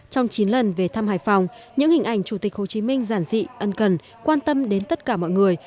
trong chín lần về thăm hải phòng những hình ảnh chủ tịch hồ chí minh giản dị ân cần quan tâm đến tất cả mọi người